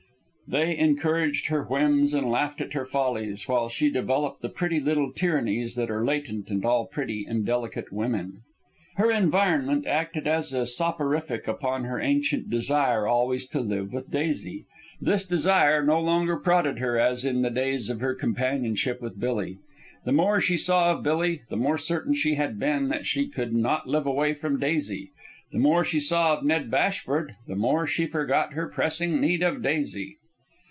They encouraged her whims and laughed at her follies, while she developed the pretty little tyrannies that are latent in all pretty and delicate women. Her environment acted as a soporific upon her ancient desire always to live with Daisy. This desire no longer prodded her as in the days of her companionship with Billy. The more she saw of Billy, the more certain she had been that she could not live away from Daisy. The more she saw of Ned Bashford, the more she forgot her pressing need of Daisy.